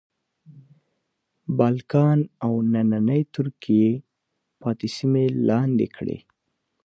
بالکان او نننۍ ترکیې پاتې سیمې لاندې کړې.